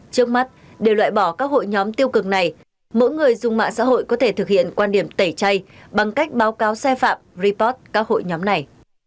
trước mắt đều loại bỏ các hội nhóm tiêu cực này mỗi người dùng mạng xã hội có thể thực hiện quan điểm tẩy chay bằng cách báo cáo sai phạm report các hội nhóm này